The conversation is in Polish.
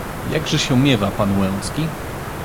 "Jakże się miewa pan Łęcki?"